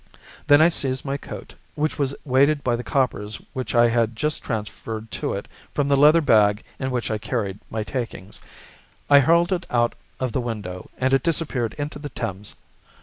Then I seized my coat, which was weighted by the coppers which I had just transferred to it from the leather bag in which I carried my takings. I hurled it out of the window, and it disappeared into the Thames.